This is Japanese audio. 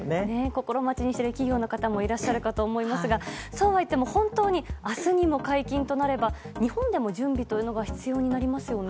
心待ちにしている企業の方もいらっしゃるかと思いますがそうはいっても本当に明日にも解禁となれば日本でも準備というのが必要になりますよね。